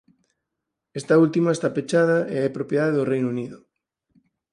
Esta última está pechada e é propiedade do Reino Unido.